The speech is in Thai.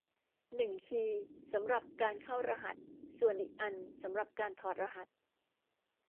หนึ่งคีย์สำหรับการเข้ารหัสส่วนอีกอันสำหรับการถอดรหัส